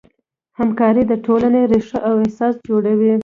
همکاري د ټولنې ریښه او اساس جوړوي.